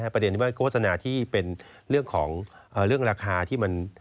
ประเด็นที่ว่าโฆษณาที่เป็นเรื่องของเรื่องราคาที่มัน